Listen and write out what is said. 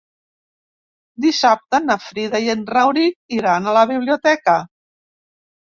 Dissabte na Frida i en Rauric iran a la biblioteca.